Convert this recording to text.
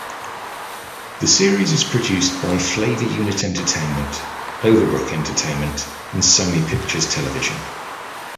The series is produced by Flavor Unit Entertainment, Overbrook Entertainment, and Sony Pictures Television.